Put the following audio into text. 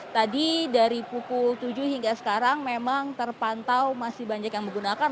tadi dari pukul tujuh hingga sekarang memang terpantau masih banyak yang menggunakan